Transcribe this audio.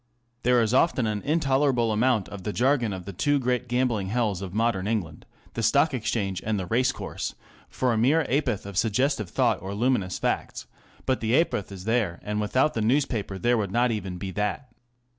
There is often an intolerable amount of the jargon of the two great gambling hells of modern England ŌĆö the Stock Exchange and the race course ŌĆö for a' mere ha'porth of suggestive thoughts or luminous facts ; but the ha'porth is there, and without the newspaper there would not even be that.